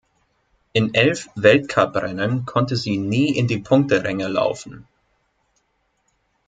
In elf Weltcup-Rennen konnte sie nie in die Punkteränge laufen.